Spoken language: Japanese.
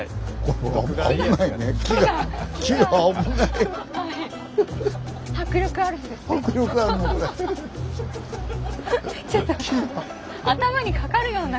ちょっと頭にかかるような感覚。